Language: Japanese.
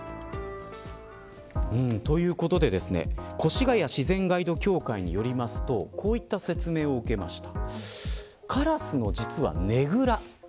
ということで越谷自然ガイド協会によりますとこういった説明を受けました。